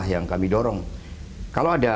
yang kami dorong kalau ada